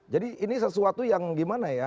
jadi ini sesuatu yang gimana ya